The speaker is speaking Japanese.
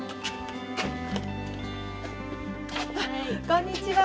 こんにちは